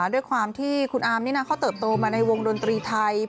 ด้วยความที่คุณอามนี่นะเขาเติบโตมาในวงดนตรีไทย